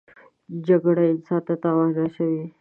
جګړه انسان ته تاوان رسوي